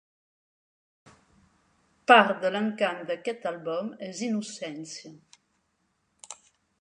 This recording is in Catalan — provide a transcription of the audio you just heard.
Part de l'encant d'aquest àlbum és innocència.